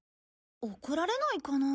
怒られないかな？